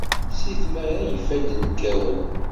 Si tmara ifadden kkawen.